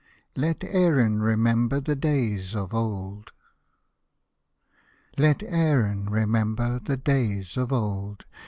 LET ERIN REMEMBER THE DAYS OF OLD Let Erin remember the days of old.